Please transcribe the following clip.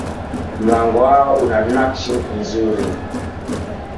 Mlango wao una nakshi nzuri